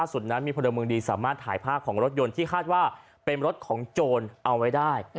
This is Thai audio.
สุดนั้นมีพลเมืองดีสามารถถ่ายภาพของรถยนต์ที่คาดว่าเป็นรถของโจรเอาไว้ได้